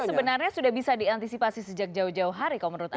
itu sebenarnya sudah bisa diantisipasi sejak jauh jauh hari kalau menurut anda